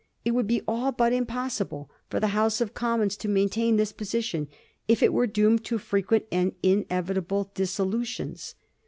It would be all but impossible for the House of Commons to maintain this position if it were doomed to frequent and inevitable dissolutions.